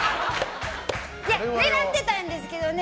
狙ってたんですけどね